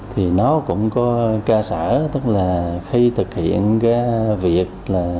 thì nó cũng có ca sở tức là khi thực hiện cái việc là